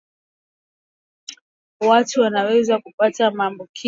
Watu wanaweza kupata ugonjwa wa kimeta kwa kugusa mnyama mwenye maambukizi